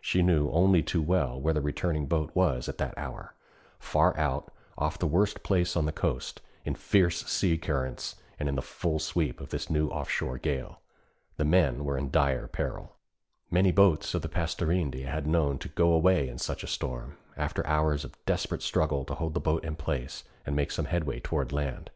She knew only too well where the returning boat was at that hour: far out, off the worst place on the coast, in fierce sea currents, and in the full sweep of this new off shore gale. The men were in dire peril. Many boats the Pastorinde had known to 'go away' in such a storm, after hours of desperate struggle to hold the boat in place and make some headway toward land.